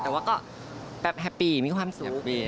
แต่ว่าก็แบบแฮปปี้มีความสุข